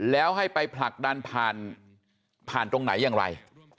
แล้วให้ไปผลักดันผ่านตรงไหนอย่างไร